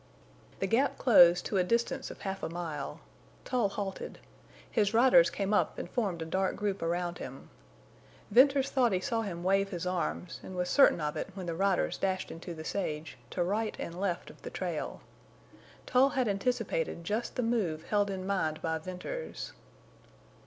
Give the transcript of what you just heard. The gap closed to a distance of half a mile. Tull halted. His riders came up and formed a dark group around him. Venters thought he saw him wave his arms and was certain of it when the riders dashed into the sage, to right and left of the trail. Tull had anticipated just the move held in mind by Venters.